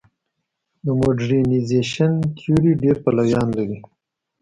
د موډرنیزېشن تیوري ډېر پلویان لري.